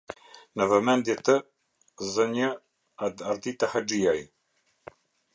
Në vëmendje të: znj. Ardita Haxhiaj.